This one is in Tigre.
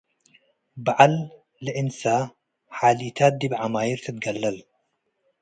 በዐል ለእንሰ ሓሊታት ዲብ ዐማይር ትትገለል፣